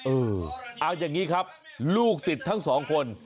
เออเอาอย่างนี้ครับลูกศิษย์ทั้งสองคน